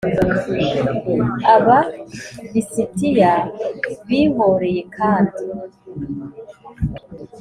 Aba lisitiya bihoreye kandi